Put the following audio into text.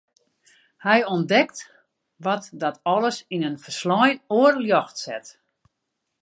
Hja ûntdekt wat dat alles yn in folslein oar ljocht set.